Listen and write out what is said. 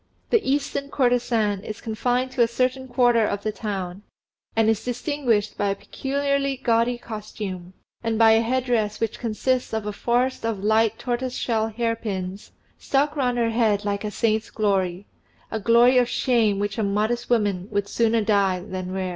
The Eastern courtesan is confined to a certain quarter of the town, and distinguished by a peculiarly gaudy costume, and by a head dress which consists of a forest of light tortoiseshell hair pins, stuck round her head like a saint's glory a glory of shame which a modest woman would sooner die than wear.